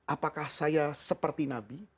apakah saya seperti nabi